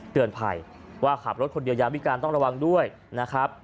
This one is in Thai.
เตือนภัยว่าขับรถคนเดียวยามวิการต้องระวังด้วยนะครับ